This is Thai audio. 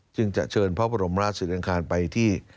จึงจะเชิญพระบรมราชศรีอังคารไปที่